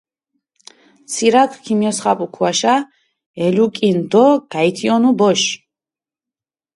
ცირაქჷ ქიმიოსხაპუ ქუაშა, ელუკჷნჷ დო გაითიჸუნუ ბოში.